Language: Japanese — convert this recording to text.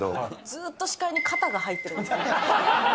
ずっと視界に肩が入ってるんです。